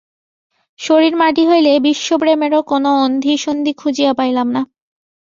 শরীর মাটি হইল, বিশ্বপ্রেমেরও কোনো অন্ধিসন্ধি খুঁজিয়া পাইলাম না।